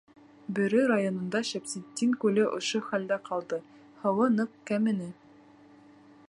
Бөрө районында Шәмсетдин күле ошо хәлдә ҡалды — һыуы ныҡ кәмене...